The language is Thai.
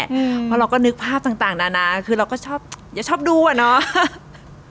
เพราะเราก็นึกภาพต่างนานาคือเราก็ชอบอย่าชอบดูอ่ะเนาะ